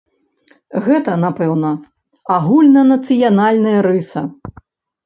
Гэта, напэўна, агульнанацыянальная рыса.